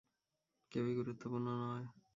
কেউই গুরুত্বপূর্ণ নয়।